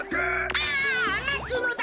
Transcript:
あまつのだ。